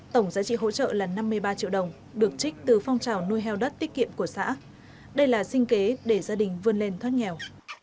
tổng giá trị hỗ trợ là năm mươi ba triệu đồng được trích từ phong trào nuôi heo đất tiết kiệm của xã đây là sinh kế để gia đình vươn lên thoát nghèo